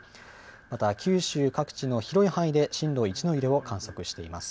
また九州各地の広い範囲で震度１の揺れを観測しています。